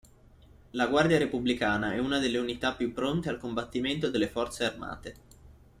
La Guardia repubblicana è una delle unità più pronte al combattimento delle forze armate.